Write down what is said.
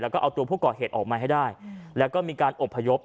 แล้วก็เอาตัวผู้ก่อเหตุออกมาให้ได้แล้วก็มีการอบพยพ